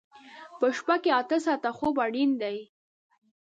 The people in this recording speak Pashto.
په شپه کې اته ساعته خوب اړین دی.